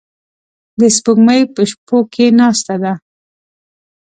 د سپوږمۍ په شپو کې ناسته ده